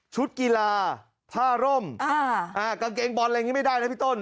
กีฬาท่าร่มกางเกงบอลอะไรอย่างนี้ไม่ได้นะพี่ต้น